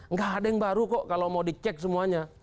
nggak ada yang baru kok kalau mau dicek semuanya